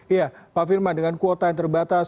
iya pak firman dengan kuota yang terbatas